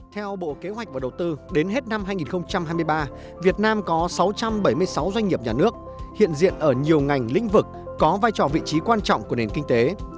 theo bộ kế hoạch và đầu tư đến hết năm hai nghìn hai mươi ba việt nam có sáu trăm bảy mươi sáu doanh nghiệp nhà nước hiện diện ở nhiều ngành lĩnh vực có vai trò vị trí quan trọng của nền kinh tế